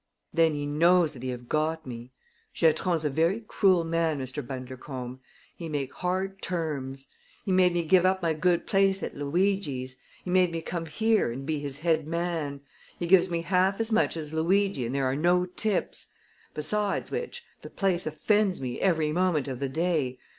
"Then he knows that he have got me. Giatron's a very cruel man, Mr. Bundercombe. He make hard terms. He made me give up my good place at Luigi's. He made me come here and be his head man. He gives me half as much as Luigi and there are no tips; besides which the place offends me every moment of the day.